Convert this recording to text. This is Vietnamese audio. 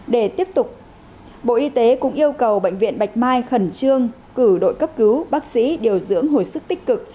để tiếp tục bộ y tế cũng yêu cầu bệnh viện bạch mai khẩn trương cử đội cấp cứu bác sĩ điều dưỡng hồi sức tích cực